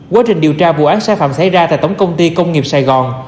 quá trình điều tra vụ án sai phạm xảy ra tại tổng công ty công nghiệp sài gòn